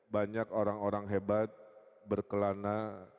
banyak orang orang hebat berkelana